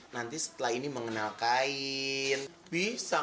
nanti setelah ini mengenal kain bisa